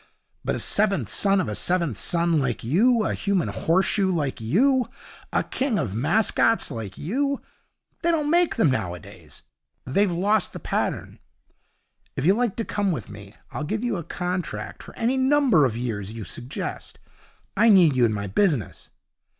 But a seventh son of a seventh son like you, a human horseshoe like you, a king of mascots like you they don't make them nowadays. They've lost the pattern. If you like to come with me I'll give you a contract for any number of years you suggest. I need you in my business.'